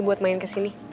buat main kesini